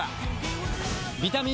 ビタミン Ｃ！